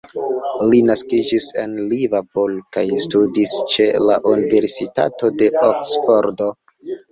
Li naskiĝis en Liverpool kaj studis ĉe la Universitato de Oksfordo.